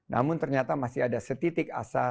namun ternyata masih ada setitik asa